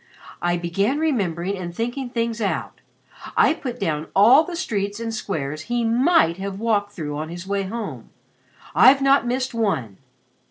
I began remembering and thinking things out. I put down all the streets and squares he might have walked through on his way home. I've not missed one.